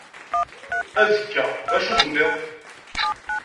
Azekka, d acu tenniḍ?